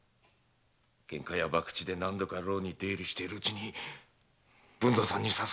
ケンカや博打で何度か牢に出入りしてるうちに文蔵さんに誘われて！